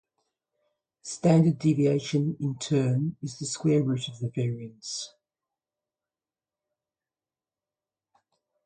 Standard deviation, in turn, is the square root of the variance.